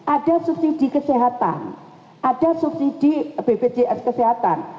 ada subsidi kesehatan ada subsidi bpjs kesehatan